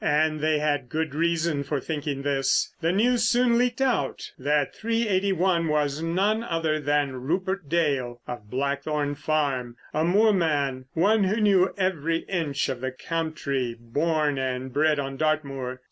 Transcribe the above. And they had good reason for thinking this. The news soon leaked out that 381 was none other than Rupert Dale, of Blackthorn Farm. A moorman, one who knew every inch of the country, born and bred on Dartmoor.